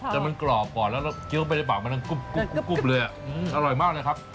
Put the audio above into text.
แต่มันกรอบก่อนแล้วเกี้ยวไปในปากมันทั้งกุ๊บเลยอร่อยมากเลยครับ